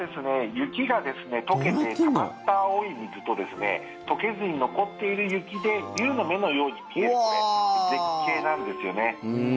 雪が解けてたまった青い水と解けずに残っている雪で竜の目のように見えるこれ、絶景なんですよね。